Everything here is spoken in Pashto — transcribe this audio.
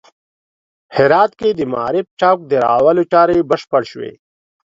هرات کې د معارف چوک د رغولو چارې بشپړې شوې